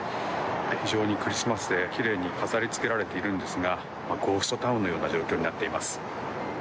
非常にクリスマスで奇麗に飾りつけられているんですがゴーストタウンのような状況になっています。